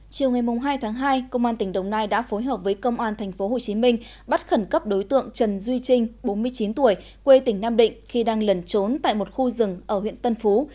chiều ngày hai tháng hai công an tỉnh đồng nai đã phối hợp với công an tp hcm bắt khẩn cấp đối tượng trần duy trinh bốn mươi chín tuổi quê tỉnh nam định khi đang lẩn trốn tại một khu rừng ở huyện tân phú